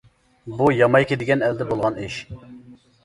بۇ يامايكا دېگەن ئەلدە بولغان ئىش.